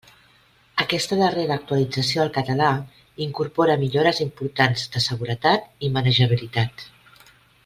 Aquesta darrera actualització al català incorpora millores importants de seguretat i manejabilitat.